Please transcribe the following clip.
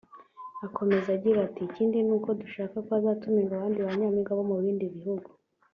Akomeza agira ati “Ikindi ni uko dushaka ko hazatumirwa abandi ba Nyampinga bo mu bindi bihugu